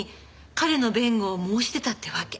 彼の弁護を申し出たってわけ。